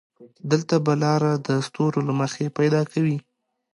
دلته به لاره د ستورو له مخې پيدا کوې.